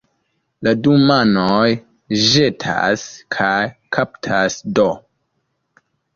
La du manoj ĵetas kaj kaptas do.